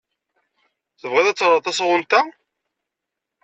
Tebɣiḍ ad teɣreḍ tasɣunt-a?